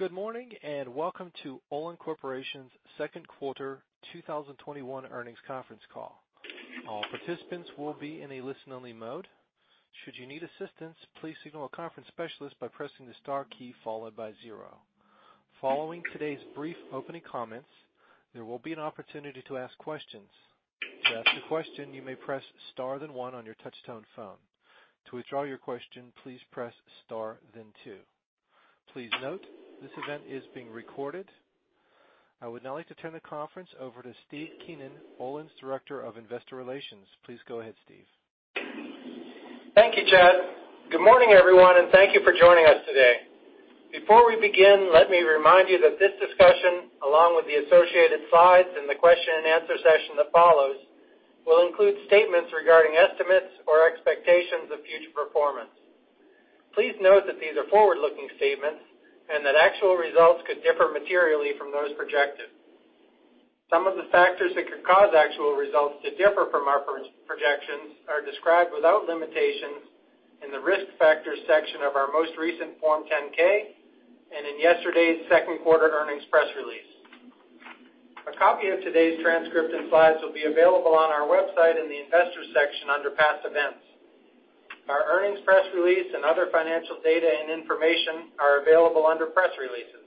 Good morning, and welcome to Olin Corporation's Q2 2021 Earnings Conference Call. All participants will be in a listen-only mode. Should you need assistance, please signal a conference specialist by pressing the star key followed by zero. Following today's brief opening comments, there will be an opportunity to ask questions. To ask a question, you may press star, then one on your touch-tone phone. To withdraw your question, please press star, then two. Please note, this event is being recorded. I would now like to turn the conference over to Steve Keenan, Olin's Director of Investor Relations. Please go ahead, Steve. Thank you, Chad. Good morning, everyone, and thank you for joining us today. Before we begin, let me remind you that this discussion, along with the associated slides and the question-and-answer session that follows, will include statements regarding estimates or expectations of future performance. Please note that these are forward-looking statements and that actual results could differ materially from those projected. Some of the factors that could cause actual results to differ from our projections are described without limitations in the Risk Factors section of our most recent Form 10-K and in yesterday's Q2 earnings press release. A copy of today's transcript and slides will be available on our website in the Investors section under Past Events. Our earnings press release and other financial data and information are available under Press Releases.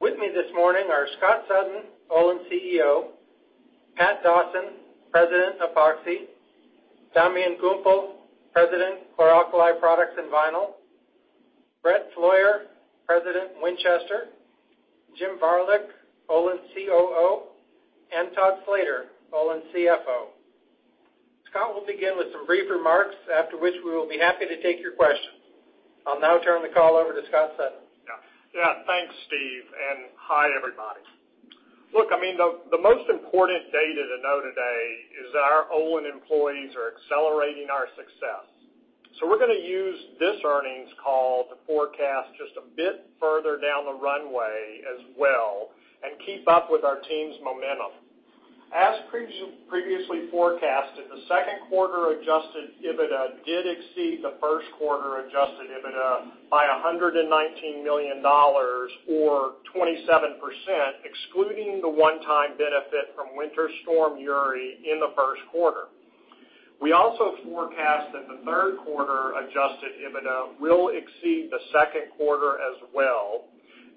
With me this morning are Scott Sutton, Olin's CEO; Pat Dawson, President, Epoxy; Damian Gumpel, President, Chlor Alkali Products and Vinyls; Brett Flaugher, President, Winchester; James Varilek, Olin's COO; and Todd Slater, Olin's CFO. Scott will begin with some brief remarks, after which we will be happy to take your questions. I'll now turn the call over to Scott Sutton. Thanks, Steve, and hi, everybody. Look, the most important data to know today is that our Olin employees are accelerating our success. We're going to use this earnings call to forecast just a bit further down the runway as well and keep up with our team's momentum. As previously forecasted, the Q2 Adjusted EBITDA did exceed the Q1 Adjusted EBITDA by $119 million, or 27%, excluding the one-time benefit from Winter Storm Uri in the Q1. We also forecast that the Q3 Adjusted EBITDA will exceed the Q2 as well,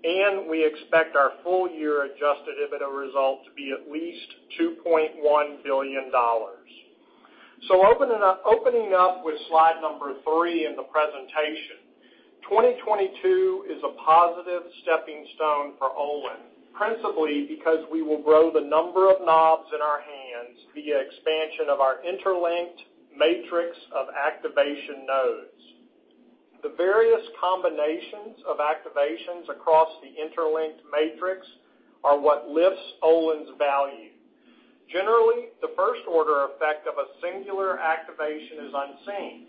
and we expect our full-year Adjusted EBITDA result to be at least $2.1 billion. Opening up with slide number three in the presentation. 2022 is a positive stepping stone for Olin, principally because we will grow the number of knobs in our hands via expansion of our interlinked matrix of activation nodes. The various combinations of activations across the interlinked matrix are what lifts Olin's value. Generally, the first-order effect of a singular activation is unseen.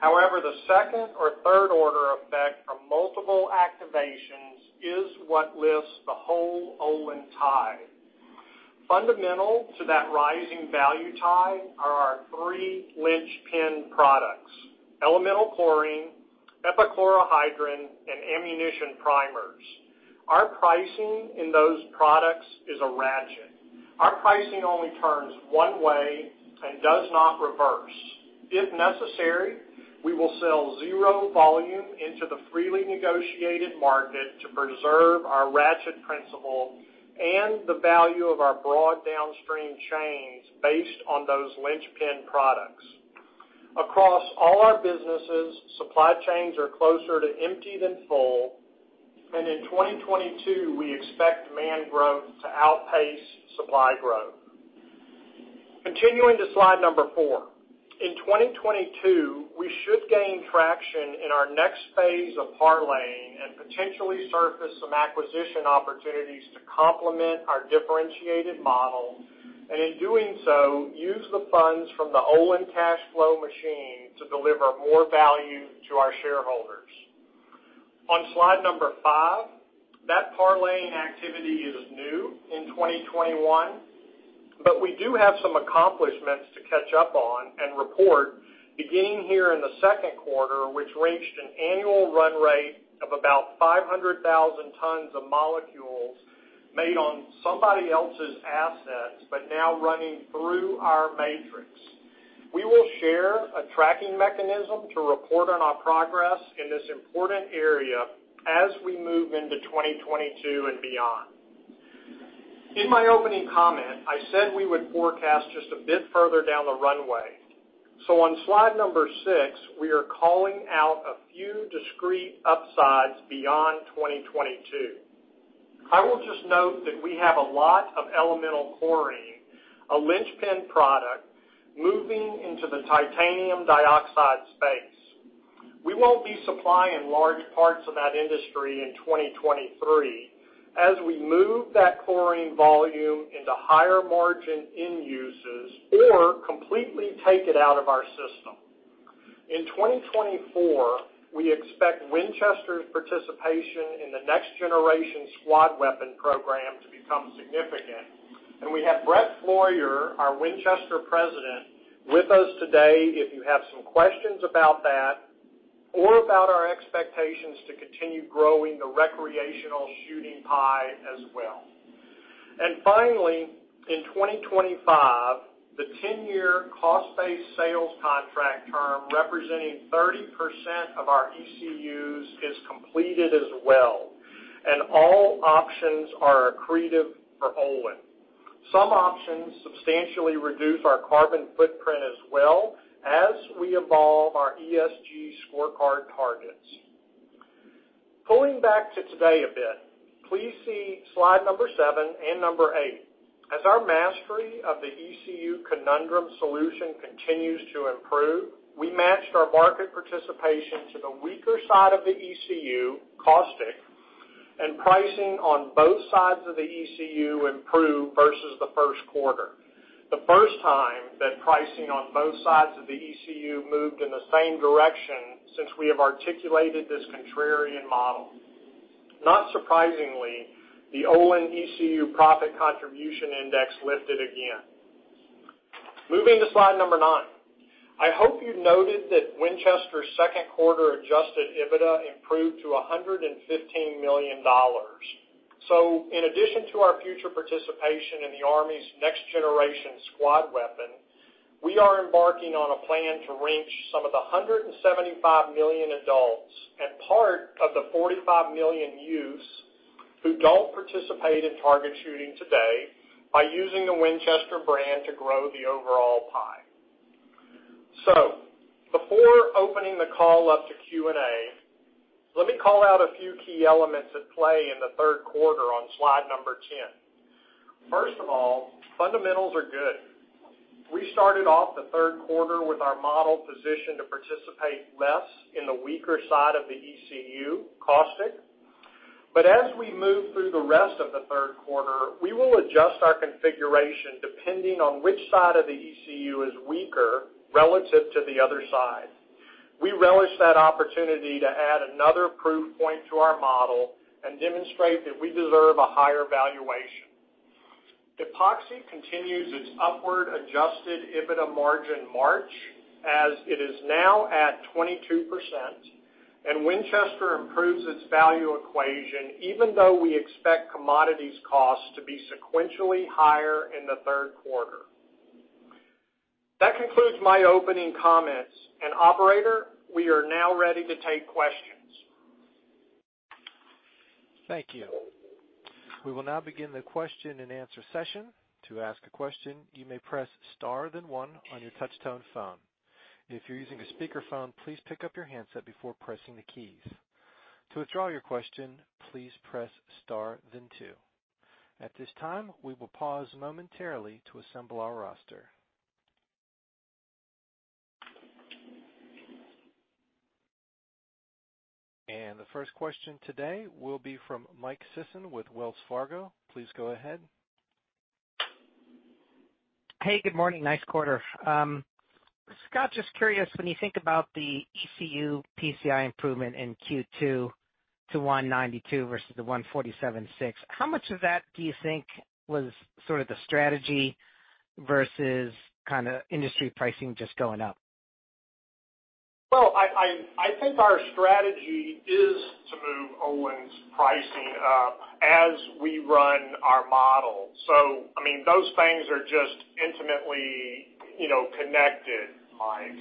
However, the second or third-order effect of multiple activations is what lifts the whole Olin tide. Fundamental to that rising value tide are our three linchpin elemental chlorine, epichlorohydrin, and ammunition primers. Our pricing in those products is a ratchet. Our pricing only turns one way and does not reverse. If necessary, we will sell zero volume into the freely negotiated market to preserve our ratchet principle and the value of our broad downstream chains based on those linchpin products. Across all our businesses, supply chains are closer to empty than full, and in 2022, we expect demand growth to outpace supply growth. Continuing to slide number four. In 2022, we should gain traction in our next phase of parlaying and potentially surface some acquisition opportunities to complement our differentiated model, and in doing so, use the funds from the Olin cash flow machine to deliver more value to our shareholders. On slide number five, that parlaying activity is new in 2021, but we do have some accomplishments to catch up on and report beginning here in the Q2, which reached an annual run rate of about 500,000 tons of molecules made on somebody else's assets, but now running through our matrix. We will share a tracking mechanism to report on our progress in this important area as we move into 2022 and beyond. In my opening comment, I said we would forecast just a bit further down the runway. On slide number six, we are calling out a few discrete upsides beyond 2022. I will just note that we have a lot elemental chlorine, a linchpin product, moving into the titanium dioxide space. We won't be supplying large parts of that industry in 2023 as we move that chlorine volume into higher margin end uses or completely take it out of our system. In 2024, we expect Winchester's participation in the Next Generation Squad Weapon program to become significant. We have Brett Flaugher, our Winchester President, with us today if you have some questions about that or about our expectations to continue growing the recreational shooting pie as well. Finally, in 2025, the 10-year cost-based sales contract term representing 30% of our ECUs is completed as well, and all options are accretive for Olin. Some options substantially reduce our carbon footprint as well as we evolve our ESG scorecard targets. Pulling back to today a bit, please see slide number seven and number eight. As our mastery of the ECU conundrum solution continues to improve, we matched our market participation to the weaker side of the ECU, caustic, and pricing on both sides of the ECU improved versus the Q1. The first time that pricing on both sides of the ECU moved in the same direction since we have articulated this contrarian model. Not surprisingly, the Olin ECU Profit Contribution Index lifted again. Moving to slide nine. I hope you noted that Winchester's Q2 Adjusted EBITDA improved to $115 million. In addition to our future participation in the Army's Next Generation Squad Weapon, we are embarking on a plan to reach some of the 175 million adults and part of the 45 million youths who don't participate in target shooting today by using the Winchester brand to grow the overall pie. Before opening the call up to Q&A, let me call out a few key elements at play in the Q3 on slide number 10. First of all, fundamentals are good. We started off the Q3 with our model positioned to participate less in the weaker side of the ECU, caustic. As we move through the rest of the Q3, we will adjust our configuration depending on which side of the ECU is weaker relative to the other side. We relish that opportunity to add another proof point to our model and demonstrate that we deserve a higher valuation. Epoxy continues its upward Adjusted EBITDA margin march as it is now at 22%, and Winchester improves its value equation, even though we expect commodities costs to be sequentially higher in the Q3. That concludes my opening comments, and operator, we are now ready to take questions. Thank you. We will now begin the question-and-answer session. To ask a question, you may press star then one on your touch-tone phone. If you're using a speakerphone, please pick up your handset before pressing the keys. To withdraw your question, please press star then two. At this time, we will pause momentarily to assemble our roster. The first question today will be from Michael Sison with Wells Fargo. Please go ahead. Hey, good morning. Nice quarter. Scott, just curious, when you think about the ECU PCI improvement in Q2 to 192 versus the 1476, how much of that do you think was sort of the strategy versus kind of industry pricing just going up? Well, I think our strategy is to move Olin's pricing up as we run our model. Those things are just intimately connected, Mike.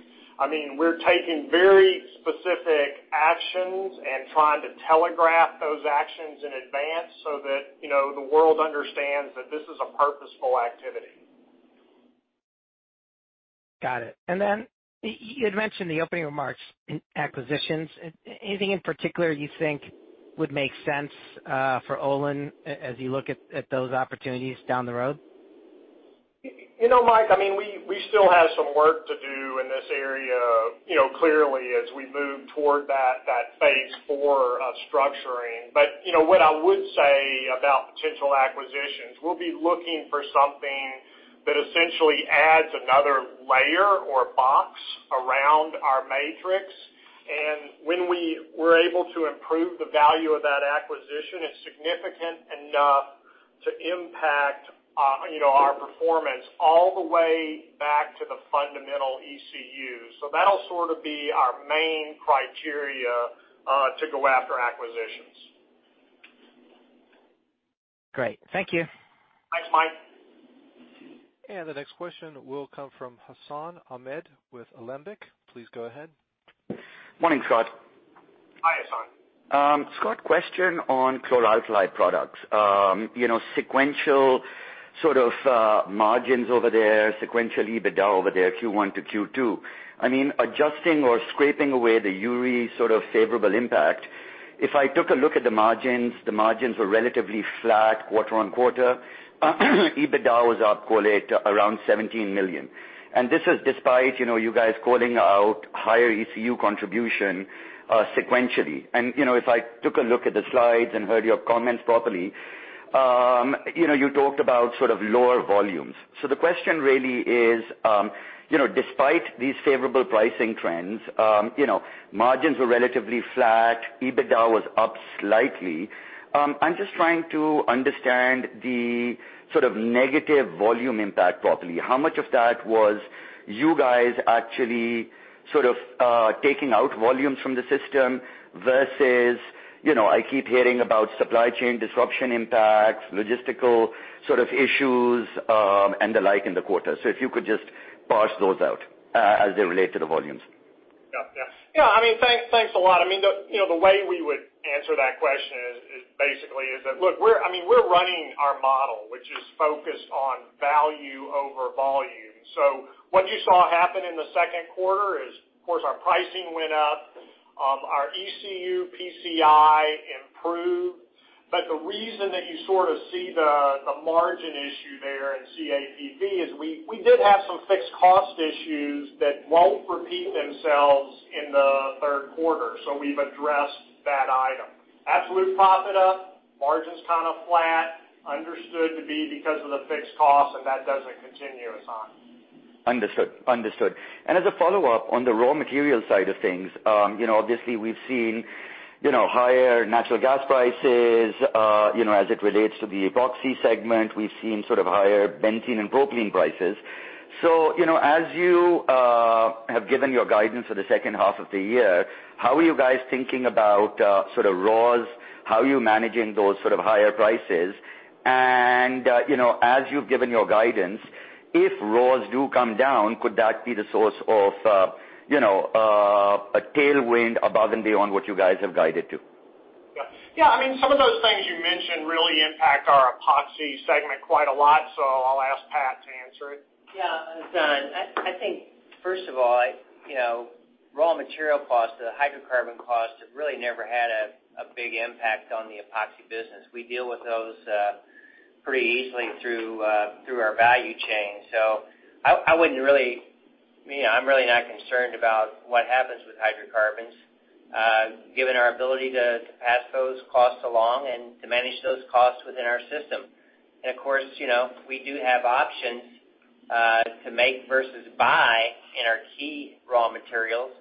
We're taking very specific actions and trying to telegraph those actions in advance so that the world understands that this is a purposeful activity. Got it. Then you had mentioned the opening remarks in acquisitions. Anything in particular you think would make sense for Olin as you look at those opportunities down the road? Mike, we still have some work to do in this area, clearly, as we move toward that phase IV of structuring. What I would say about potential acquisitions, we'll be looking for something that essentially adds another layer or box around our matrix. When we were able to improve the value of that acquisition is significant enough to impact our performance all the way back to the fundamental ECU. That'll sort of be our main criteria to go after acquisitions. Great. Thank you. Thanks, Mike. The next question will come from Hassan Ahmed with Alembic. Please go ahead. Morning, Scott. Hi, Hassan. Scott, question on chlor-alkali products. Sequential sort of margins over there, sequential EBITDA over there, Q1 to Q2. Adjusting or scraping away the Uri sort of favorable impact, if I took a look at the margins, the margins were relatively flat quarter-on-quarter. EBITDA was up, call it, around $17 million. This is despite you guys calling out higher ECU contribution sequentially. If I took a look at the slides and heard your comments properly, you talked about sort of lower volumes. The question really is, despite these favorable pricing trends, margins were relatively flat. EBITDA was up slightly. I'm just trying to understand the sort of negative volume impact properly. How much of that was you guys actually sort of taking out volumes from the system versus, I keep hearing about supply chain disruption impacts, logistical sort of issues, and the like in the quarter. If you could just parse those out as they relate to the volumes. Yeah. Thanks a lot. The way we would answer that question is basically is that, look, we're running our model, which is focused on value over volume. What you saw happen in the Q2 is, of course, our pricing went up, our ECU PCI improved. The reason that you sort of see the margin issue there in CAPV is we did have some fixed cost issues that won't repeat themselves in the Q3. We've addressed that item. Absolute profit up, margins kind of flat, understood to be because of the fixed cost, and that doesn't continue, Hassan. Understood. As a follow-up on the raw material side of things, obviously we've seen higher natural gas prices, as it relates to the Epoxy segment. We've seen sort of higher benzene and propylene prices. As you have given your guidance for the second half of the year, how are you guys thinking about sort of raws? How are you managing those sort of higher prices? As you've given your guidance, if raws do come down, could that be the source of a tailwind above and beyond what you guys have guided to? Yeah. Some of those things you mentioned really impact our Epoxy segment quite a lot. I'll ask Pat to answer it. Yeah, Hassan. I think first of all, raw material costs, the hydrocarbon costs have really never had a big impact on the Epoxy business. We deal with those pretty easily through our value chain. I'm really not concerned about what happens with hydrocarbons, given our ability to pass those costs along and to manage those costs within our system. Of course, we do have options to make versus buy in our key raw materials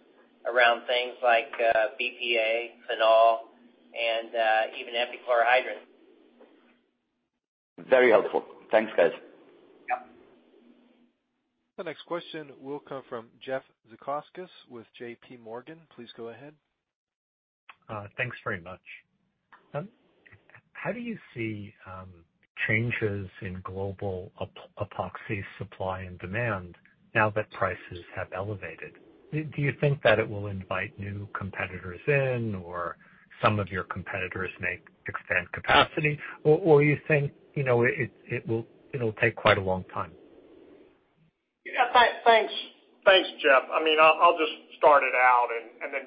around things like BPA, phenol, and even epichlorohydrin. Very helpful. Thanks, guys. Yeah. The next question will come from Jeff Zekauskas with JPMorgan. Please go ahead. Thanks very much. How do you see changes in global Epoxy supply and demand now that prices have elevated? Do you think that it will invite new competitors in, or some of your competitors may expand capacity, or you think it'll take quite a long time? Yeah. Thanks, Jeff. I'll just start it out.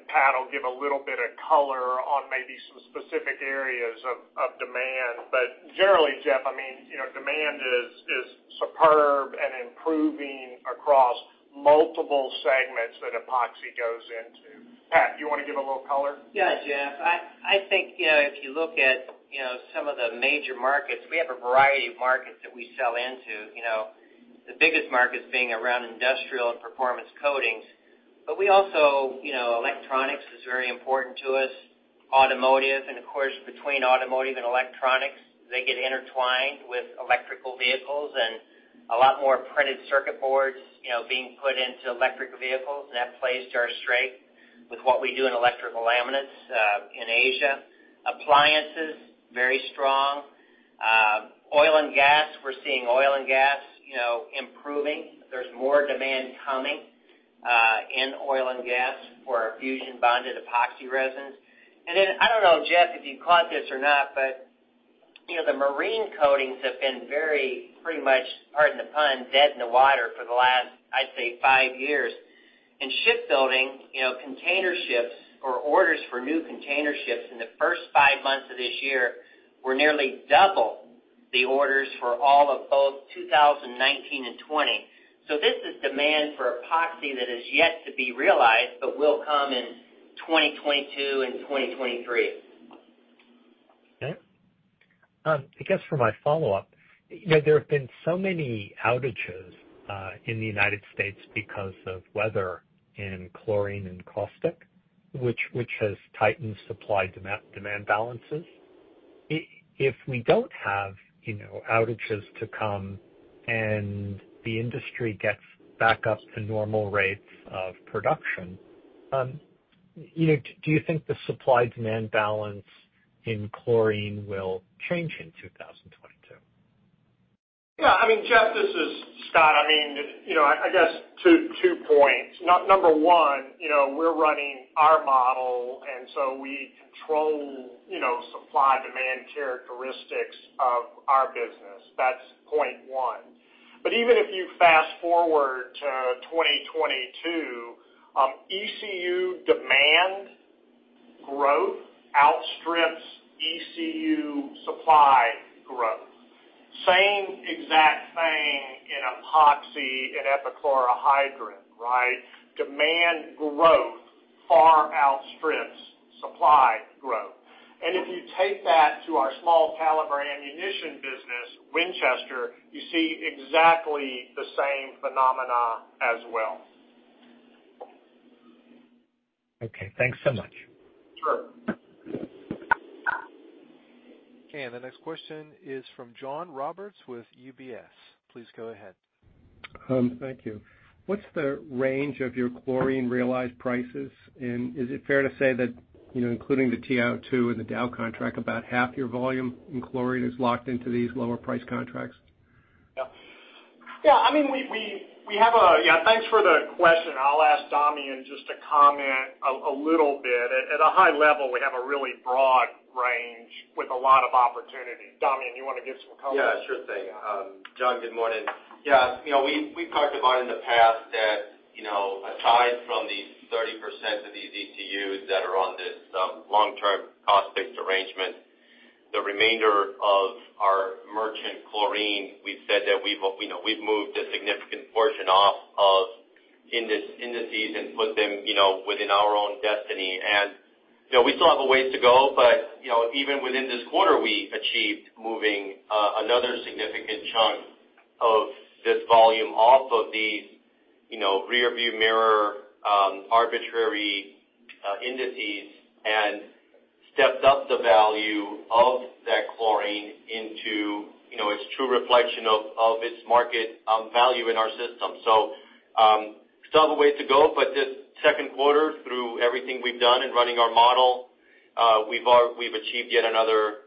Pat will give a little bit of color on maybe some specific areas of demand. Generally, Jeff, demand is superb and improving across multiple segments that Epoxy goes into. Pat, do you want to give a little color? Yeah, Jeff. I think if you look at some of the major markets, we have a variety of markets that we sell into. The biggest markets being around industrial and performance coatings. Also, electronics is very important to us, automotive, and of course, between automotive and electronics, they get intertwined with electrical vehicles and a lot more printed circuit boards being put into electric vehicles. That plays to our strength with what we do in electrical laminates in Asia. Appliances, very strong. Oil and gas, we're seeing oil and gas improving. There's more demand coming in oil and gas for our fusion-bonded epoxy resins. Then, I don't know, Jeff, if you caught this or not, but the marine coatings have been very, pretty much, pardon the pun, dead in the water for the last, I'd say five years. In shipbuilding, container ships or orders for new container ships in the first five months of this year were nearly double the orders for all of both 2019 and 2020. This is demand for Epoxy that is yet to be realized but will come in 2022 and 2023. I guess for my follow-up, there have been so many outages in the United States because of weather in chlorine and caustic, which has tightened supply demand balances. If we don't have outages to come and the industry gets back up to normal rates of production, do you think the supply-demand balance in chlorine will change in 2022? Yeah, Jeff, this is Scott. I guess two points. Number one, we're running our model, and so we control supply-demand characteristics of our business. That's point one. Even if you fast-forward to 2022, ECU demand growth outstrips ECU supply growth. Same exact thing in Epoxy and epichlorohydrin, right? Demand growth far outstrips supply growth. If you take that to our small-caliber ammunition business, Winchester, you see exactly the same phenomena as well. Okay, thanks so much. Sure. The next question is from John Roberts with UBS. Please go ahead. Thank you. What's the range of your chlorine realized prices? Is it fair to say that, including the TiO2 and the Dow contract, about half your volume in chlorine is locked into these lower price contracts? Thanks for the question. I'll ask Damian just to comment a little bit. At a high level, we have a really broad range with a lot of opportunity. Damian, you want to give some color? Sure thing. John, good morning. We've talked about in the past that aside from the 30% of these ECUs that are on this long-term cost-based arrangement, the remainder of our merchant chlorine, we've said that we've moved a significant portion off of indices and put them within our own destiny. We still have a ways to go, but even within this quarter, we achieved moving another significant chunk of this volume off of these rear view mirror arbitrary indices and stepped up the value of that chlorine into its true reflection of its market value in our system. We still have a way to go, but this Q2, through everything we've done in running our model, we've achieved yet another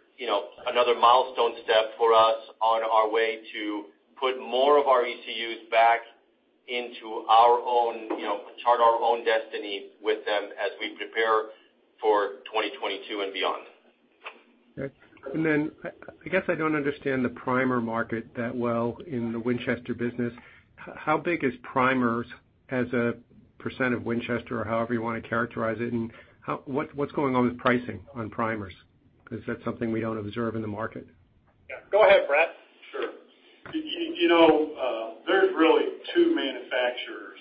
milestone step for us on our way to put more of our ECUs back into our own, chart our own destiny with them as we prepare for 2022 and beyond. Okay. I guess I don't understand the primer market that well in the Winchester business. How big is primers as a percent of Winchester or however you want to characterize it, and what's going on with pricing on primers? That's something we don't observe in the market. Yeah. Go ahead, Brett. Sure. There's really two manufacturers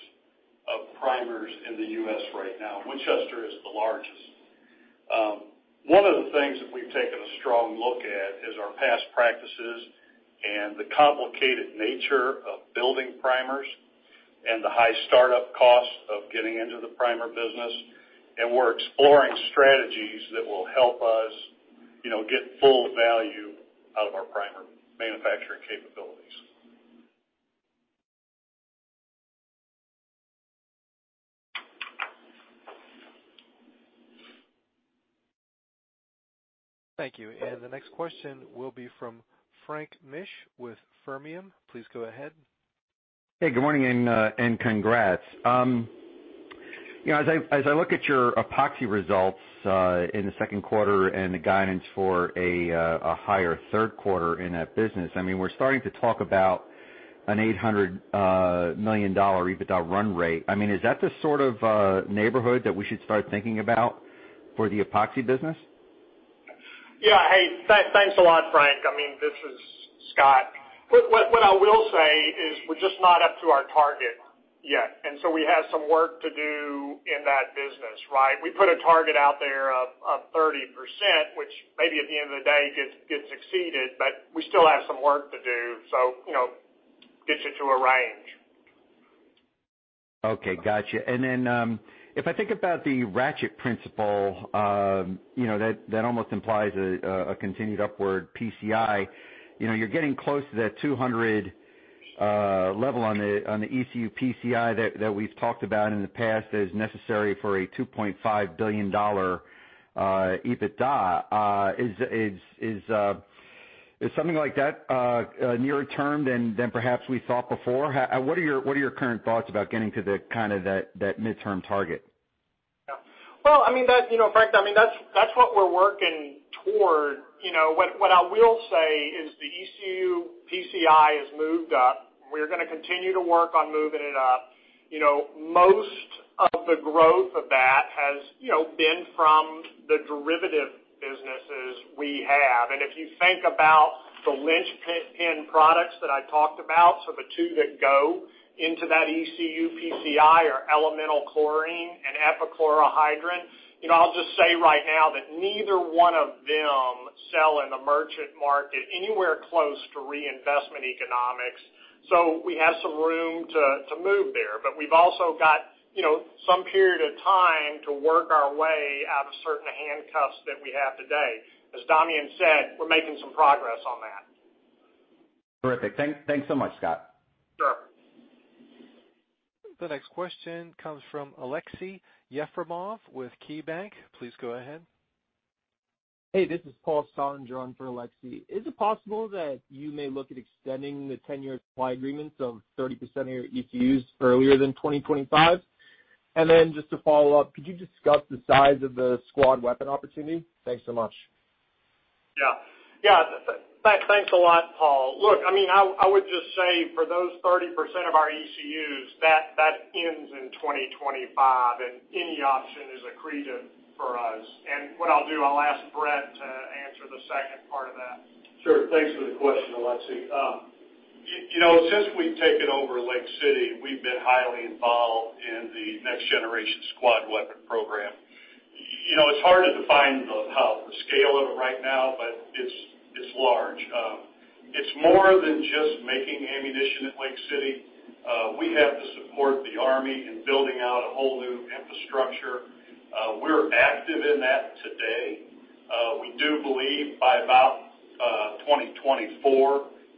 of primers in the U.S. right now. Winchester is the largest. One of the things that we've taken a strong look at is our past practices and the complicated nature of building primers and the high startup costs of getting into the primer business. We're exploring strategies that will help us get full value out of our primer manufacturing capabilities. Thank you. The next question will be from Frank Mitsch with Fermium Research. Please go ahead. Hey, good morning and congrats. As I look at your Epoxy results in the Q2 and the guidance for a higher Q3 in that business, we're starting to talk about an $800 million EBITDA run rate. Is that the sort of neighborhood that we should start thinking about for the Epoxy business? Yeah. Hey, thanks a lot, Frank. This is Scott. What I will say is we're just not up to our target yet, and so we have some work to do in that business, right? We put a target out there of 30%, which maybe at the end of the day gets exceeded, but we still have some work to do, so gets you to a range. Okay, got you. If I think about the ratchet principle that almost implies a continued upward PCI. You're getting close to that 200 level on the ECU PCI that we've talked about in the past as necessary for a $2.5 billion EBITDA. Is something like that nearer term than perhaps we thought before? What are your current thoughts about getting to that midterm target? Frank, that's what we're working toward. What I will say is the ECU PCI has moved up. We're going to continue to work on moving it up. Most of the growth of that has been from the derivative businesses we have. If you think about the lynchpin products that I talked about, the two that go into that ECU PCI elemental chlorine and epichlorohydrin. I'll just say right now that neither one of them sell in the merchant market anywhere close to reinvestment economics. We have some room to move there. We've also got some period of time to work our way out of certain handcuffs that we have today. As Damian said, we're making some progress on that. Terrific. Thanks so much, Scott. Sure. The next question comes from Aleksey Yefremov with KeyBanc. Please go ahead. Hey, this is Paul Solon drawinf for Aleksey. Is it possible that you may look at extending the 10-year supply agreements of 30% of your ECUs earlier than 2025? Just to follow up, could you discuss the size of the Squad Weapon opportunity? Thanks so much. Yeah. Thanks a lot, Paul. Look, I would just say for those 30% of our ECUs, that ends in 2025, and any option is accretive for us. What I'll do, I'll ask Brett to answer the second part of that. Sure. Thanks for the question, Aleksey Yefremov. Since we've taken over Lake City, we've been highly involved in the Next Generation Squad Weapon program. It's hard to define the scale of it right now, but it's large. It's more than just making ammunition at Lake City. We have to support the U.S. Army in building out a whole new infrastructure. We're active in that today. We do believe by about 2024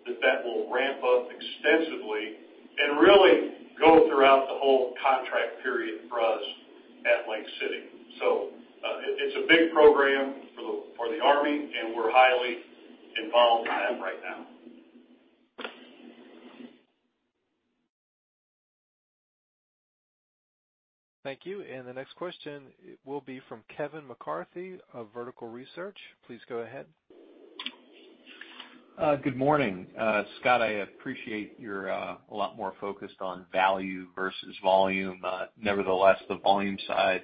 that that will ramp up extensively and really go throughout the whole contract period for us at Lake City. It's a big program for the U.S. Army, and we're highly involved in that right now. Thank you. The next question will be from Kevin McCarthy of Vertical Research. Please go ahead. Good morning. Scott, I appreciate you're a lot more focused on value versus volume. Nevertheless, the volume side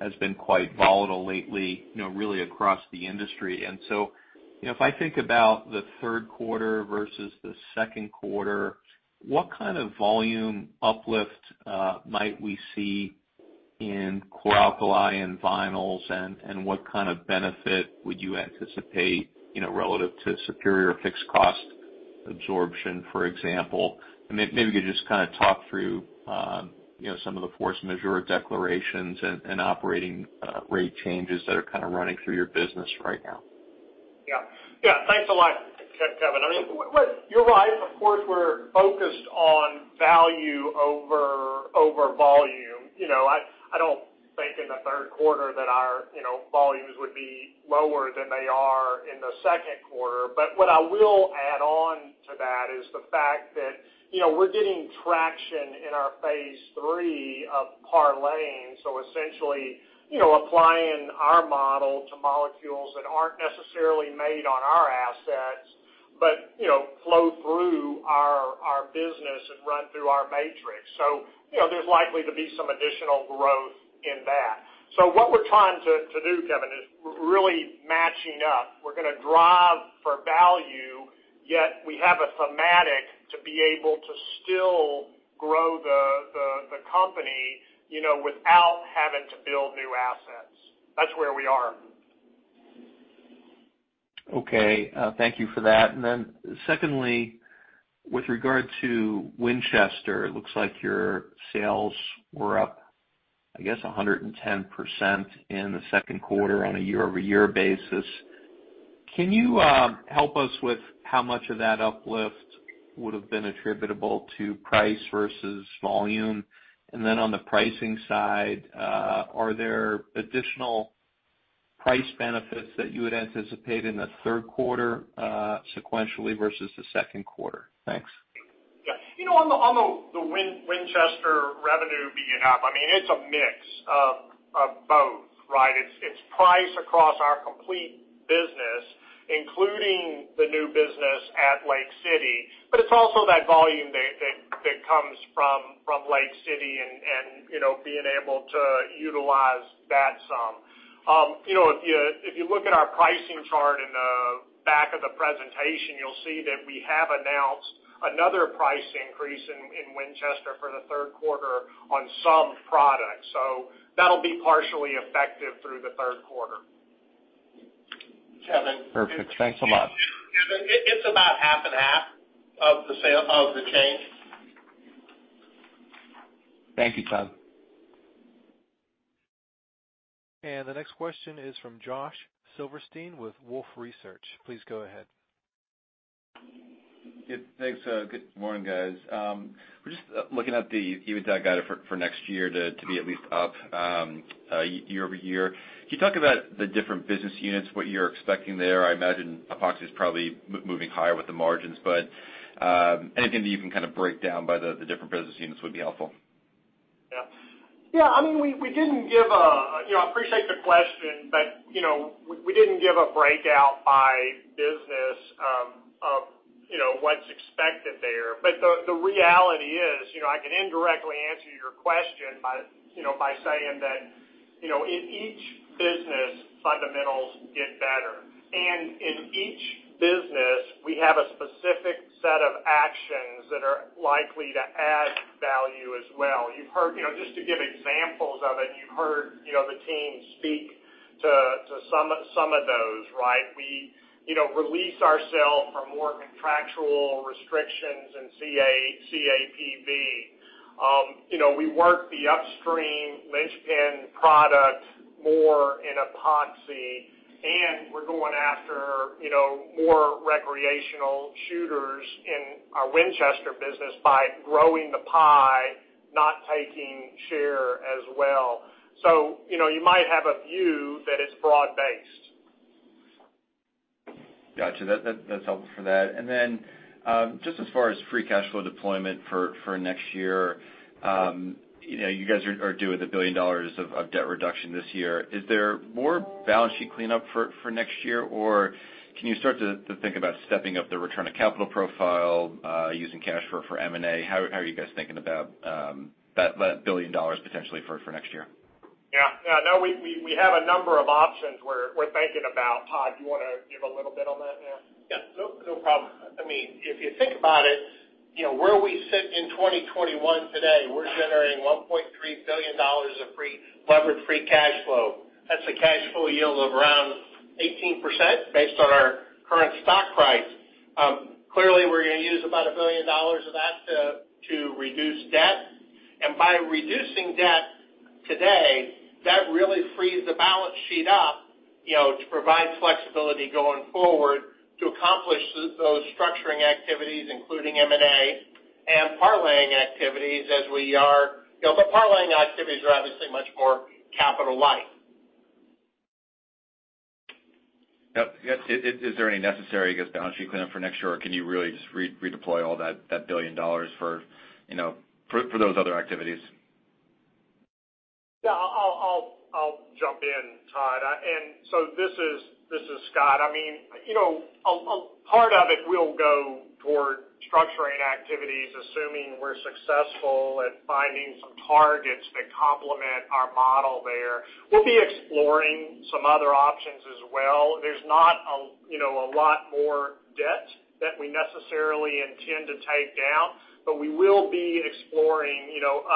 has been quite volatile lately, really across the industry. If I think about the Q3 versus the Q2, what kind of volume uplift might we see in Chlor Alkali Products and Vinyls, and what kind of benefit would you anticipate relative to superior fixed cost absorption, for example? Maybe you could just talk through some of the force majeure declarations and operating rate changes that are running through your business right now. Yeah. Thanks a lot, Kevin. You're right, of course, we're focused on value over volume. I don't think in the Q3 that our volumes would be lower than they are in the Q2. What I will add on to that is the fact that we're getting traction in our phase III of parlaying, so essentially applying our model to molecules that aren't necessarily made on our assets, but flow through our business and run through our matrix. There's likely to be some additional growth in that. What we're trying to do, Kevin, is really matching up. We're going to drive for value, yet we have a thematic to be able to still grow the company without having to build new assets. That's where we are. Okay. Thank you for that. Secondly, with regard to Winchester, it looks like your sales were up, I guess 110% in the Q2 on a year-over-year basis. Can you help us with how much of that uplift would've been attributable to price versus volume? On the pricing side, are there additional price benefits that you would anticipate in the Q3, sequentially versus the Q2? Thanks. Yeah. On the Winchester revenue being up, it's a mix of both, right? It's price across our complete business, including the new business at Lake City. It's also that volume that comes from Lake City and being able to utilize that sum. If you look at our pricing chart in the back of the presentation, you'll see that we have announced another price increase in Winchester for the Q3 on some products. That'll be partially effective through the Q3. Kevin- Perfect. Thanks a lot. -it's about 50/50 of the change. Thank you, Scott. The next question is from Josh Silverstein with Wolfe Research. Please go ahead. Yeah. Thanks. Good morning, guys. We're just looking at the EBITDA guide for next year to be at least up year-over-year. Can you talk about the different business units, what you're expecting there? I imagine Epoxy is probably moving higher with the margins. Anything that you can break down by the different business units would be helpful. Yeah. I appreciate the question, but we didn't give a breakout by business of what's expected there. The reality is, I can indirectly answer your question by saying that in each business, fundamentals get better. In each business, we have a specific set of actions that are likely to add value as well. Just to give examples of it, you've heard the team speak to some of those, right? We release ourself from more contractual restrictions in CAPV. We work the upstream linchpin product more in Epoxy, and we're going after more recreational shooters in our Winchester business by growing the pie, not taking share as well. You might have a view that it's broad based. Got you. That's helpful for that. Just as far as free cash flow deployment for next year, you guys are due with $1 billion of debt reduction this year. Is there more balance sheet cleanup for next year? Or can you start to think about stepping up the return of capital profile, using cash for M&A? How are you guys thinking about that $1 billion potentially for next year? Yeah. No, we have a number of options we're thinking about. Todd, do you want to give a little bit on that now? Yeah. No problem. If you think about it. Where we sit in 2021 today, we're generating $1.3 billion of free leverage, free cash flow. That's a cash flow yield of around 18% based on our current stock price. Clearly, we're going to use about $1 billion of that to reduce debt. By reducing debt today, that really frees the balance sheet up to provide flexibility going forward to accomplish those structuring activities, including M&A and parlaying activities as we are. Parlaying activities are obviously much more capital light. Yep. Is there any necessary, I guess, balance sheet cleanup for next year, or can you really just redeploy all that $1 billion for those other activities? Yeah, I'll jump in, Todd. This is Scott. Part of it will go toward structuring activities, assuming we're successful at finding some targets that complement our model there. We'll be exploring some other options as well. There's not a lot more debt that we necessarily intend to take down, but we will be exploring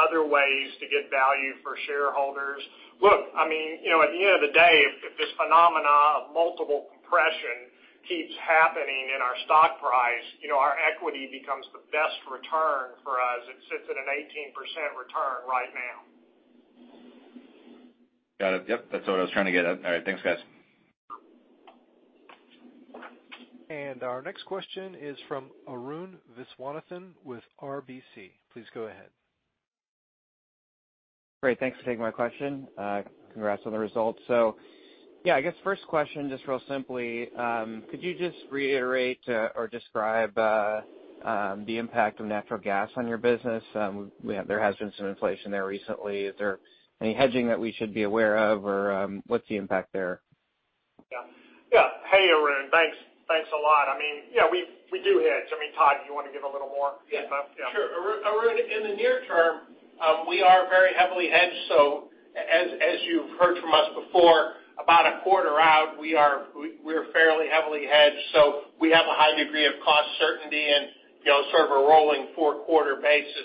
other ways to get value for shareholders. Look, at the end of the day, if this phenomena of multiple compression keeps happening in our stock price, our equity becomes the best return for us. It sits at an 18% return right now. Got it. Yep. That's what I was trying to get at. All right. Thanks, guys. Our next question is from Arun Viswanathan with RBC. Please go ahead. Great. Thanks for taking my question. Congrats on the results. Yeah, I guess first question, just real simply, could you just reiterate or describe the impact of natural gas on your business? There has been some inflation there recently. Is there any hedging that we should be aware of, or what's the impact there? Hey, Arun. Thanks a lot. We do hedge. I mean, Todd, do you want to give a little more info? Yeah, sure. Arun, in the near term, we are very heavily hedged. As you've heard from us before, about a quarter out, we're fairly heavily hedged. We have a high degree of cost certainty in sort of a rolling four-quarter basis.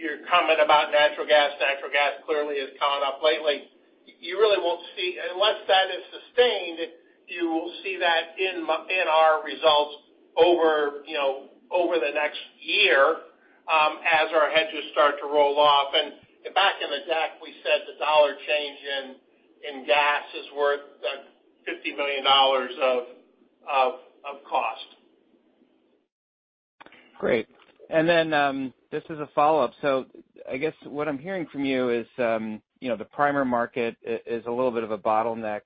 Your comment about natural gas, natural gas clearly has gone up lately. You really won't see, unless that is sustained, you will see that in our results over the next year as our hedges start to roll off. Back in the deck, we said the dollar change in gas is worth $50 million of cost. Great. This is a follow-up. I guess what I'm hearing from you is the primer market is a little bit of a bottleneck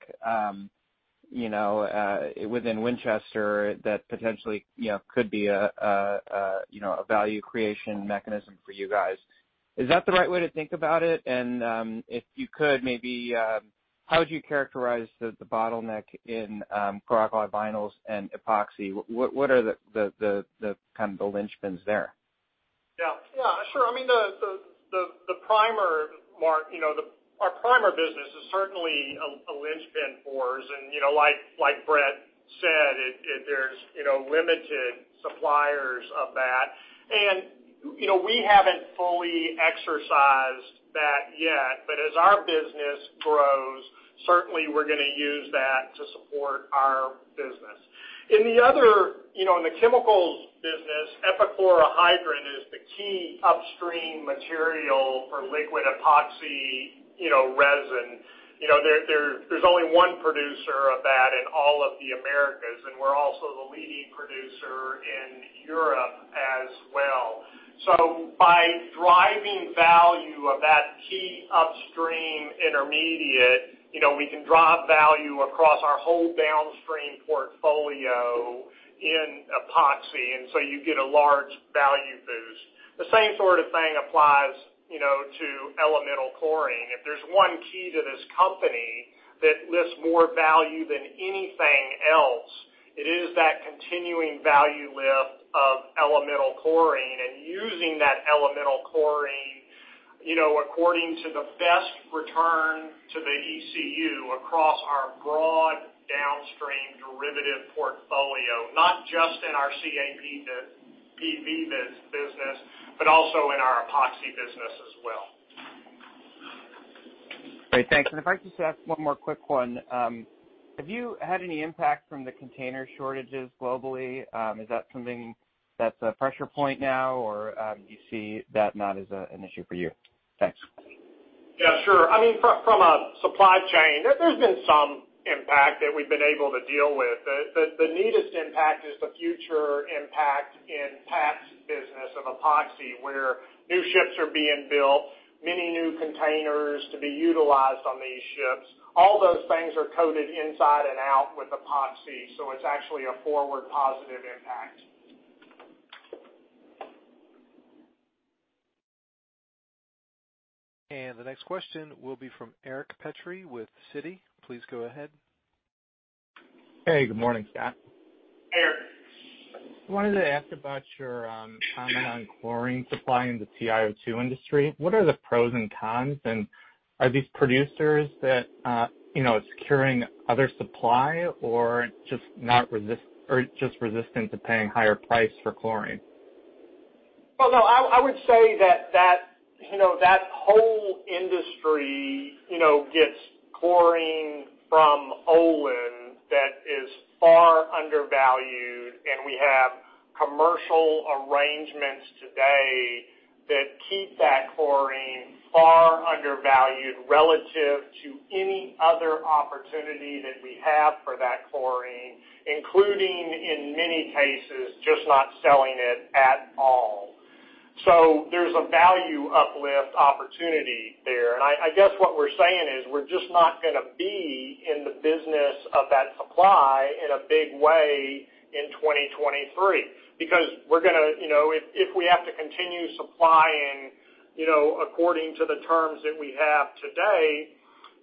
within Winchester that potentially could be a value creation mechanism for you guys. Is that the right way to think about it? If you could maybe, how would you characterize the bottleneck in Chlor-alkali Vinyls and Epoxy? What are the linchpins there? Yeah. Sure. Our primer business is certainly a linchpin for us, and like Brett said, there's limited suppliers of that. We haven't fully exercised that yet, but as our business grows, certainly we're going to use that to support our business. In the chemicals business, epichlorohydrin is the key upstream material for liquid epoxy resin. There's only one producer of that in all of the Americas, and we're also the leading producer in Europe as well. By driving value of that key upstream intermediate, we can drive value across our whole downstream portfolio in Epoxy, and so you get a large value boost. The same sort of thing applies to elemental chlorine. If there's one key to this company that lifts more value than anything else, it is that continuing value lift elemental chlorine, and using elemental chlorine according to the best return to the ECU across our broad downstream derivative portfolio. Not just in our CAPV business, but also in our Epoxy business as well. Great. Thanks. If I could just ask one more quick one. Have you had any impact from the container shortages globally? Is that something that's a pressure point now, or do you see that not as an issue for you? Thanks. Yeah, sure. From a supply chain, there's been some impact that we've been able to deal with. The neatest impact is the future impact in Pat's business of Epoxy, where new ships are being built, many new containers to be utilized on these ships. All those things are coated inside and out with epoxy, so it's actually a forward positive impact. The next question will be from Eric Petrie with Citi. Please go ahead. Hey, good morning, Scott. Hey, Eric. I wanted to ask about your comment on chlorine supply in the TiO2 industry. What are the pros and cons, are these producers that are securing other supply or just resistant to paying higher price for chlorine? Well, no, I would say that whole industry gets chlorine from Olin that is far undervalued, and we have commercial arrangements today that keep that chlorine far undervalued relative to any other opportunity that we have for that chlorine, including, in many cases, just not selling it at all. There's a value uplift opportunity there. I guess what we're saying is we're just not going to be in the business of that supply in a big way in 2023. If we have to continue supplying according to the terms that we have today,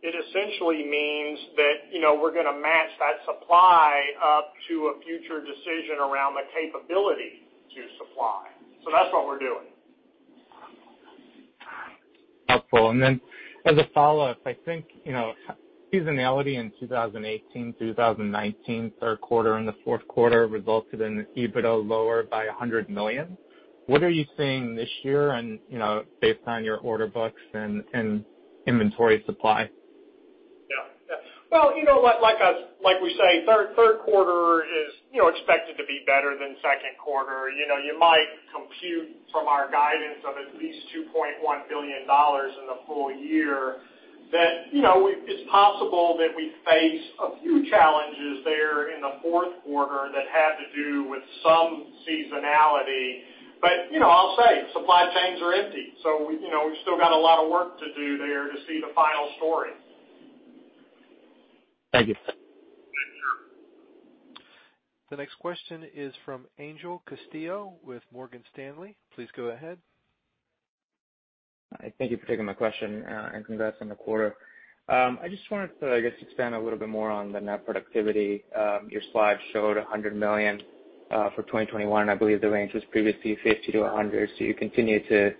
it essentially means that we're going to match that supply up to a future decision around the capability to supply. That's what we're doing. Helpful. As a follow-up, I think seasonality in 2018, 2019, Q3 and the Q4 resulted in EBITDA lower by $100 million. What are you seeing this year based on your order books and inventory supply? Well, like we say, Q3 is expected to be better than Q2. You might compute from our guidance of at least $2.1 billion in the full year that it's possible that we face a few challenges there in the Q4 that have to do with some seasonality. I'll say, supply chains are empty. We've still got a lot of work to do there to see the final story. Thank you. Sure. The next question is from Angel Castillo with Morgan Stanley. Please go ahead. Thank you for taking my question, and congrats on the quarter. I just wanted to, I guess, expand a little bit more on the net productivity. Your slide showed $100 million for 2021. I believe the range was previously $50 million-$100 million. You continue to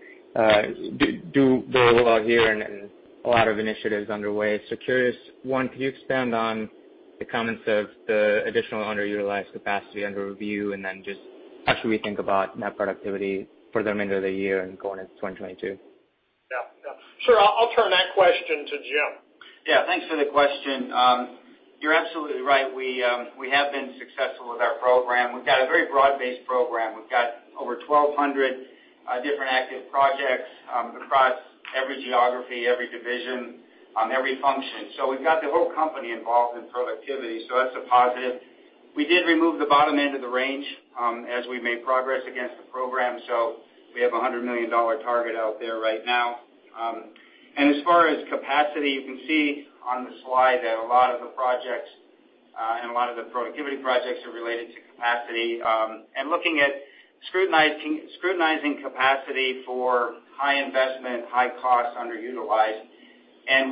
do very well here and a lot of initiatives underway. Curious, one, could you expand on the comments of the additional underutilized capacity under review, and then just how should we think about net productivity for the remainder of the year and going into 2022? Yeah. Sure. I'll turn that question to Jim. Yeah. Thanks for the question. You're absolutely right. We have been successful with our program. We've got a very broad-based program. We've got over 1,200 different active projects across every geography, every division, every function. We've got the whole company involved in productivity, so that's a positive. We did remove the bottom end of the range as we made progress against the program. We have a $100 million target out there right now. As far as capacity, you can see on the slide that a lot of the projects and a lot of the productivity projects are related to capacity. Looking at scrutinizing capacity for high investment, high cost, underutilized.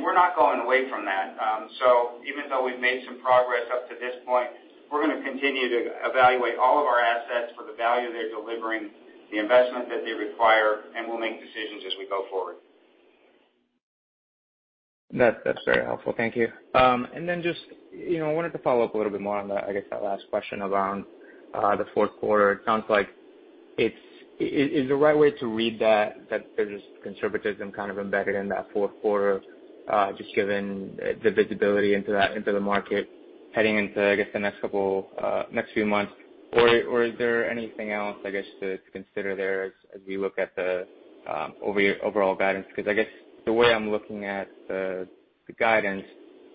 We're not going away from that. Even though we've made some progress up to this point, we're going to continue to evaluate all of our assets for the value they're delivering, the investment that they require, and we'll make decisions as we go forward. That's very helpful. Thank you. Just wanted to follow up a little bit more on, I guess, that last question around the Q4. Is the right way to read that there's conservatism kind of embedded in that Q4, just given the visibility into the market heading into, I guess, the next few months? Is there anything else, I guess, to consider there as we look at the overall guidance? I guess the way I'm looking at the guidance,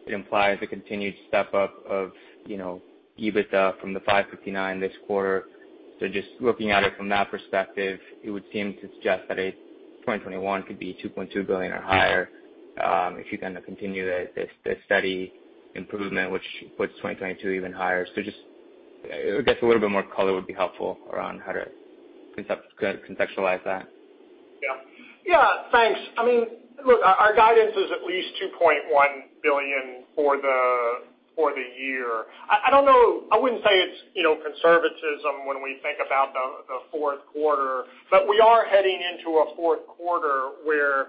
it implies a continued step up of EBITDA from the $559 million this quarter. Just looking at it from that perspective, it would seem to suggest that 2021 could be $2.2 billion or higher if you're going to continue the steady improvement, which puts 2022 even higher. Just, I guess a little bit more color would be helpful around how to conceptualize that. Yeah, thanks. Look, our guidance is at least $2.1 billion for the year. I wouldn't say it's conservatism when we think about the Q4, but we are heading into a Q4 where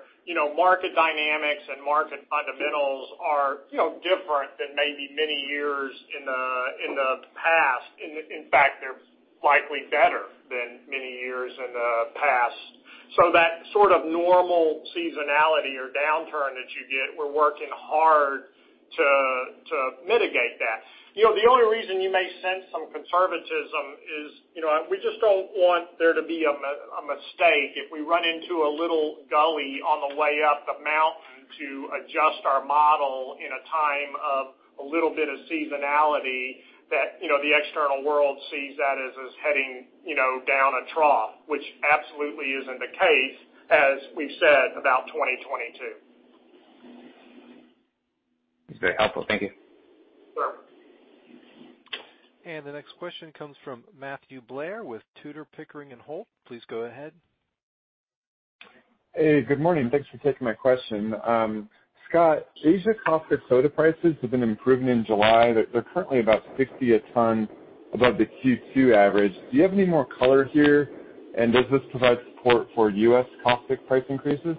market dynamics and market fundamentals are different than maybe many years in the past. In fact, they're likely better than many years in the past. That sort of normal seasonality or downturn that you get, we're working hard to mitigate that. The only reason you may sense some conservatism is we just don't want there to be a mistake if we run into a little gully on the way up the mountain to adjust our model in a time of a little bit of seasonality that the external world sees that as us heading down a trough, which absolutely isn't the case, as we've said about 2022. That's very helpful. Thank you. Sure. The next question comes from Matthew Blair with Tudor, Pickering, Holt & Co. Please go ahead. Hey, good morning. Thanks for taking my question. Scott, Asia caustic soda prices have been improving in July. They're currently about $60 a ton above the Q2 average. Do you have any more color here? Does this provide support for U.S. caustic price increases?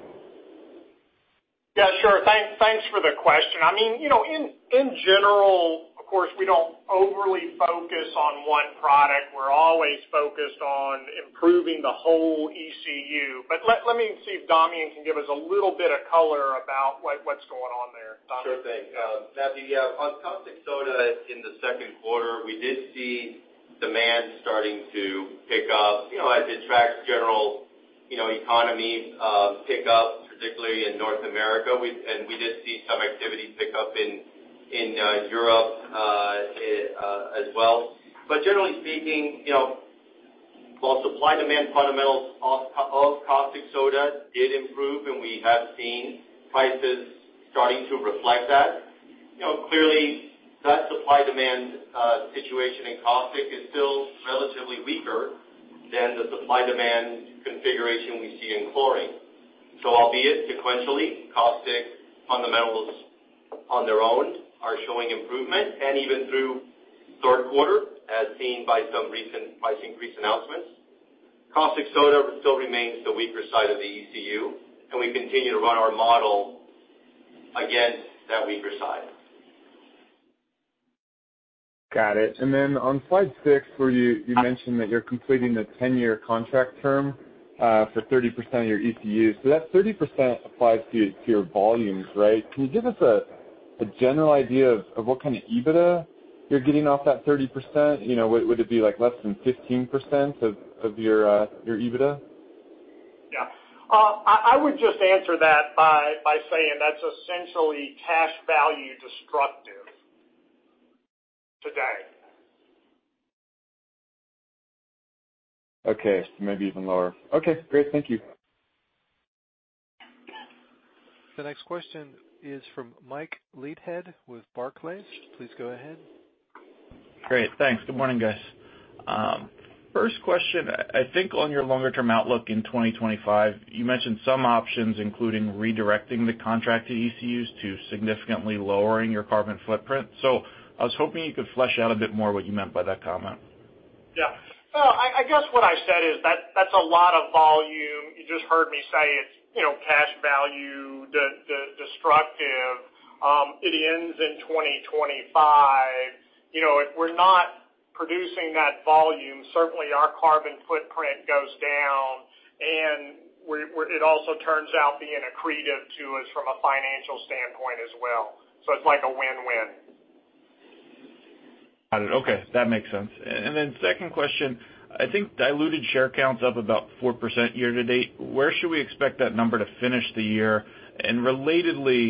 Yeah, sure. Thanks for the question. In general, of course, we don't overly focus on one product. We're always focused on improving the whole ECU. Let me see if Damian can give us a little bit of color about what's going on there. Damian? Sure thing. Matthew, on caustic soda in the Q2, we did see demand starting to pick up as it tracks general economy pick up, particularly in North America. We did see some activity pick up in Europe as well. Generally speaking, while supply-demand fundamentals of caustic soda did improve, and we have seen prices starting to reflect that. Clearly, that supply-demand situation in caustic is still relatively weaker than the supply-demand configuration we see in chlorine. Albeit sequentially, caustic fundamentals on their own are showing improvement, and even through Q3, as seen by some recent price increase announcements. Caustic soda still remains the weaker side of the ECU, and we continue to run our model against that weaker side. Got it. On slide six, where you mentioned that you're completing the 10-year contract term for 30% of your ECU. That 30% applies to your volumes, right? Can you give us a general idea of what kind of EBITDA you're getting off that 30%? Would it be less than 15% of your EBITDA? Yeah. I would just answer that by saying that's essentially cash value destructive today. Okay. Maybe even lower. Okay, great. Thank you. The next question is from Mike Leithead with Barclays. Please go ahead. Great. Thanks. Good morning, guys. First question, I think on your longer term outlook in 2025, you mentioned some options, including redirecting the contracted ECUs to significantly lowering your carbon footprint. I was hoping you could flesh out a bit more what you meant by that comment. Yeah. I guess what I said is that's a lot of volume. You just heard me say it's cash value destructive. It ends in 2025. If we're not producing that volume, certainly our carbon footprint goes down, and it also turns out being accretive to us from a financial standpoint as well. It's like a win-win. Got it. Okay. That makes sense. Second question, I think diluted share count's up about 4% year-to-date. Where should we expect that number to finish the year? Relatedly,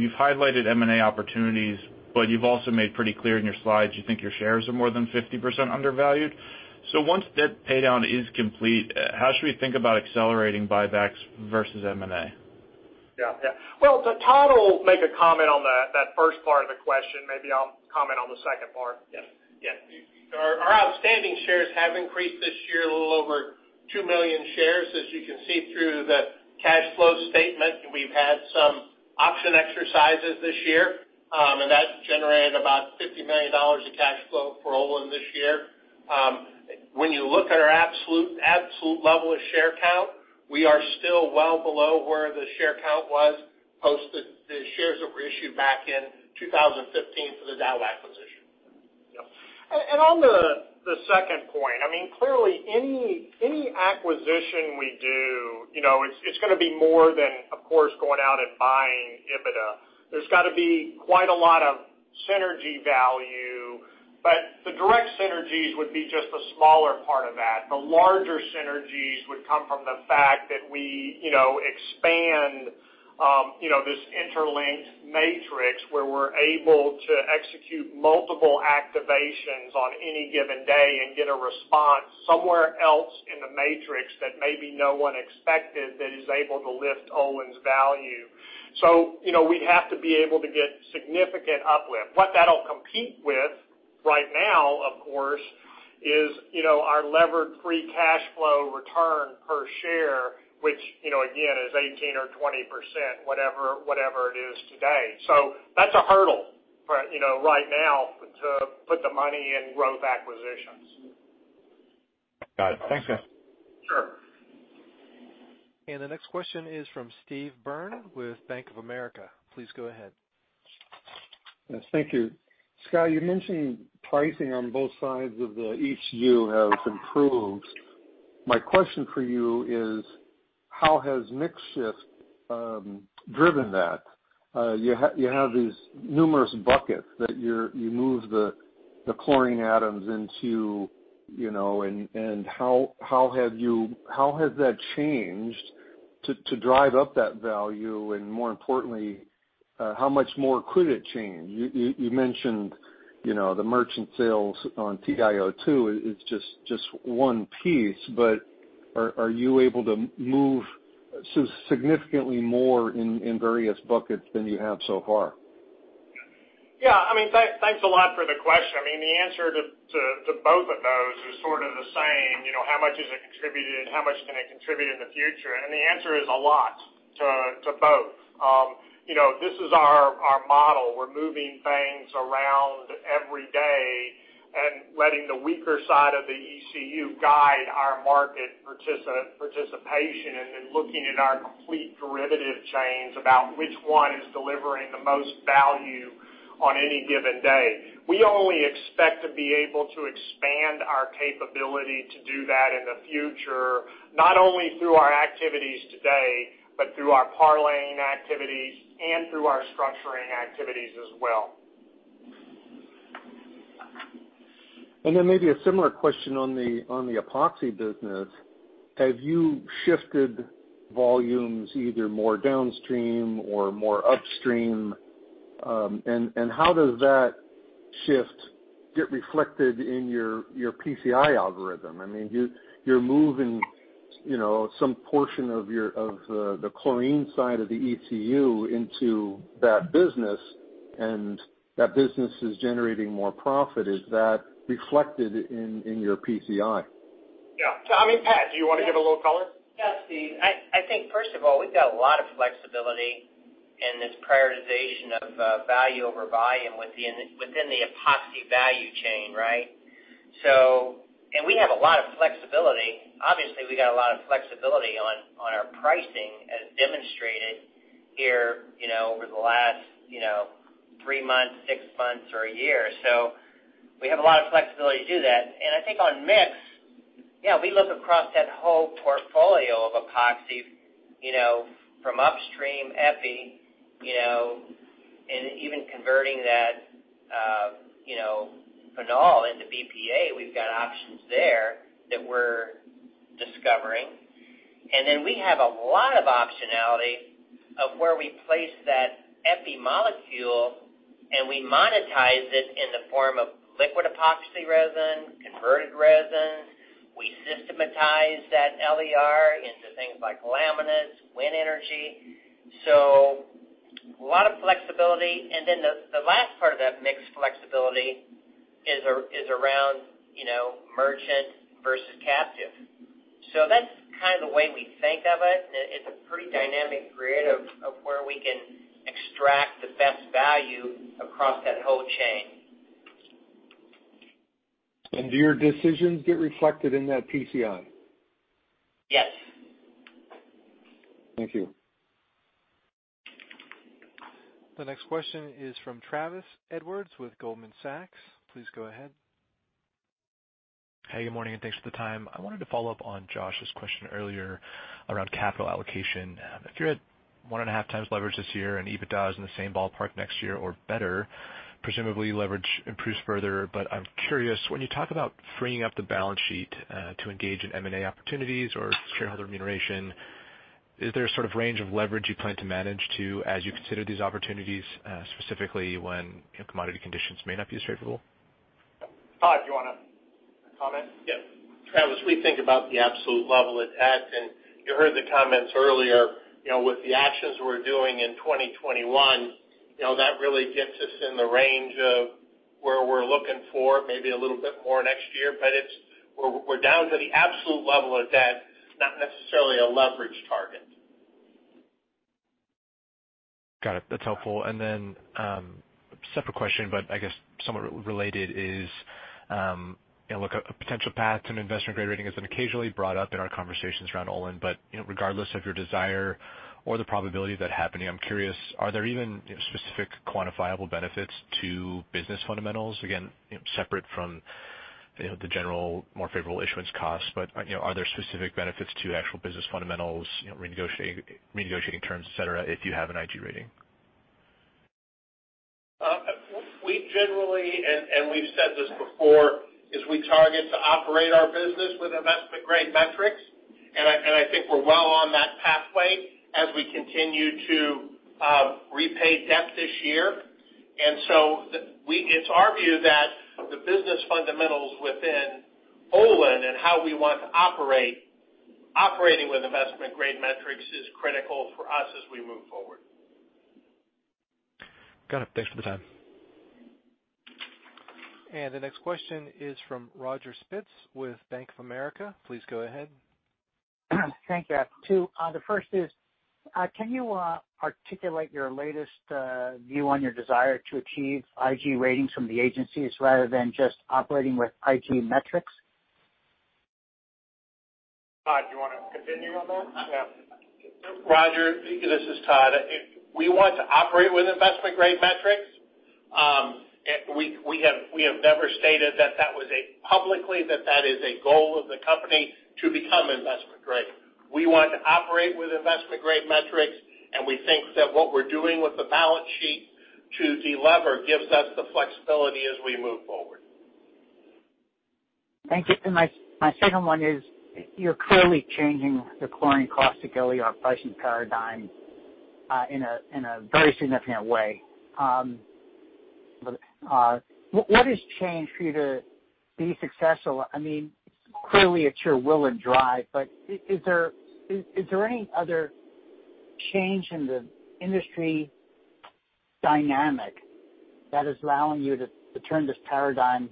you've highlighted M&A opportunities, but you've also made pretty clear in your slides you think your shares are more than 50% undervalued. Once debt paydown is complete, how should we think about accelerating buybacks versus M&A? Yeah. Well, Todd will make a comment on that first part of the question. Maybe I'll comment on the second part. Yeah. Our outstanding shares have increased this year, a little over two million shares. As you can see through the cash flow statement, we've had some option exercises this year. That's generated about $50 million of cash flow for Olin this year. When you look at our absolute level of share count, we are still well below where the share count was post the shares that were issued back in 2015 for the Dow acquisition. Yeah. On the second point, clearly any acquisition we do, it's going to be more than, of course, going out and buying EBITDA. There's got to be quite a lot of synergy value. The direct synergies would be just the smaller part of that. The larger synergies would come from the fact that we expand this interlinked matrix where we're able to execute multiple activations on any given day and get a response somewhere else in the matrix that maybe no one expected that is able to lift Olin's value. We have to be able to get significant uplift. What that'll compete with right now, of course, is our levered free cash flow return per share, which again, is 18% or 20%, whatever it is today. That's a hurdle right now to put the money in growth acquisitions. Got it. Thanks, guys. Sure. The next question is from Steve Byrne with Bank of America. Please go ahead. Yes. Thank you. Scott, you mentioned pricing on both sides of the ECU has improved. My question for you is, how has mix shift driven that? You have these numerous buckets that you move the chlorine atoms into, and how has that changed to drive up that value? More importantly, how much more could it change? You mentioned the merchant sales on TiO2 is just one piece, are you able to move significantly more in various buckets than you have so far? Yeah. Thanks a lot for the question. The answer to both of those is sort of the same. How much has it contributed? How much can it contribute in the future? The answer is a lot to both. This is our model. We're moving things around every day and letting the weaker side of the ECU guide our market participation and then looking at our complete derivative chains about which one is delivering the most value on any given day. We only expect to be able to expand our capability to do that in the future, not only through our activities today, but through our parlaying activities and through our structuring activities as well. Then maybe a similar question on the Epoxy business. Have you shifted volumes either more downstream or more upstream? How does that shift get reflected in your PCI algorithm? You're moving some portion of the chlorine side of the ECU into that business, and that business is generating more profit. Is that reflected in your PCI? Yeah. I mean, Pat, do you want to give a little color? Yeah, Steve. I think first of all, we've got a lot of flexibility in this prioritization of value over volume within the Epoxy value chain, right? We have a lot of flexibility. Obviously, we got a lot of flexibility on our pricing as demonstrated here over the last three months, six months or a year. We have a lot of flexibility to do that. I think on mix, yeah, we look across that whole portfolio of Epoxy from upstream epichlorohydrin, and even converting that phenol into BPA, we've got options there that we're discovering. Then we have a lot of optionality of where we place that epichlorohydrin molecule, and we monetize it in the form of liquid epoxy resin, converted resin. We systematize that LER into things like laminates, wind energy. A lot of flexibility. The last part of that mix flexibility is around merchant versus captive. That's kind of the way we think of it, and it's a pretty dynamic grid of where we can extract the best value across that whole chain. Do your decisions get reflected in that PCI? Yes. Thank you. The next question is from Travis Edwards with Goldman Sachs. Please go ahead. Hey, good morning. Thanks for the time. I wanted to follow up on Josh's question earlier around capital allocation. If you're at 1.5x leverage this year and EBITDA is in the same ballpark next year or better, presumably leverage improves further. I'm curious, when you talk about freeing up the balance sheet to engage in M&A opportunities or shareholder remuneration, is there a sort of range of leverage you plan to manage to as you consider these opportunities, specifically when commodity conditions may not be as favorable? Todd, do you want to comment? Yeah. Travis, we think about the absolute level of debt, and you heard the comments earlier. With the actions we're doing in 2021, that really gets us in the range of where we're looking for maybe a little bit more next year. We're down to the absolute level of debt, not necessarily a leverage target. Got it. That's helpful. Then, separate question, but I guess somewhat related is, a potential path to an investment-grade rating has been occasionally brought up in our conversations around Olin. Regardless of your desire or the probability of that happening, I'm curious, are there even specific quantifiable benefits to business fundamentals? Again, separate from the general more favorable issuance costs, but are there specific benefits to actual business fundamentals, renegotiating terms, et cetera, if you have an IG rating? We generally, and we've said this before, is we target to operate our business with investment-grade metrics, and I think we're well on that pathway as we continue to repay debt this year. It's our view that the business fundamentals within Olin and how we want to operate, operating with investment-grade metrics is critical for us as we move forward. Got it. Thanks for the time. The next question is from Roger Spitz with Bank of America. Please go ahead. Thank you. two. The first is, can you articulate your latest view on your desire to achieve IG ratings from the agencies rather than just operating with IG metrics? Todd, do you want to continue on that? Yeah. Roger, this is Todd. We want to operate with investment-grade metrics. We have never stated publicly that is a goal of the company to become investment grade. We want to operate with investment-grade metrics, and we think that what we're doing with the balance sheet to de-lever gives us the flexibility as we move forward. Thank you. My second one is, you're clearly changing the chlorine cost to go your pricing paradigm in a very significant way. What has changed for you to be successful? Clearly it's your will and drive, but is there any other change in the industry dynamic that is allowing you to turn this paradigm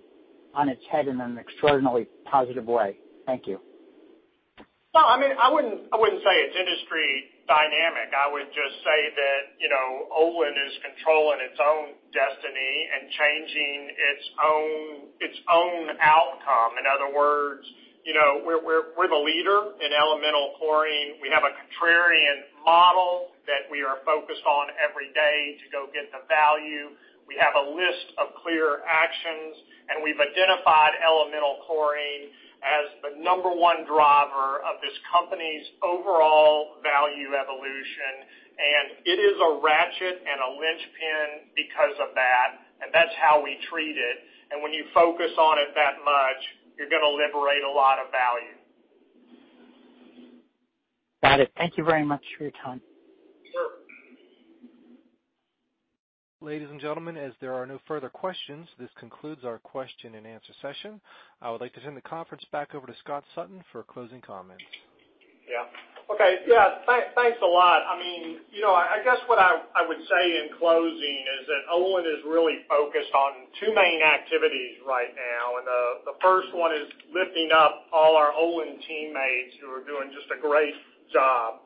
on its head in an extraordinarily positive way? Thank you. No, I wouldn't say it's industry dynamic. I would just say that Olin is controlling its own destiny and changing its own outcome. In other words, we're the leader elemental chlorine. we have a contrarian model that we are focused on every day to go get the value. We have a list of clear actions, and we've elemental chlorine as the number one driver of this company's overall value evolution, and it is a ratchet and a linchpin because of that, and that's how we treat it. When you focus on it that much, you're going to liberate a lot of value. Got it. Thank you very much for your time. Sure. Ladies and gentlemen, as there are no further questions, this concludes our question-and-answer session. I would like to turn the conference back over to Scott Sutton for closing comments. Yeah. Okay. Yeah. Thanks a lot. I guess what I would say in closing is that Olin is really focused on two main activities right now. The first one is lifting up all our Olin teammates who are doing just a great job.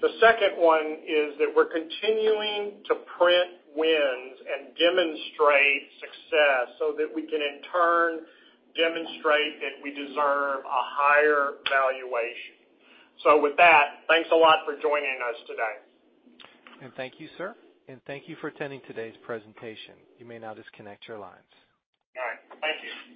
The second one is that we're continuing to print wins and demonstrate success so that we can in turn demonstrate that we deserve a higher valuation. With that, thanks a lot for joining us today. Thank you, sir. Thank you for attending today's presentation. You may now disconnect your lines. All right. Thank you.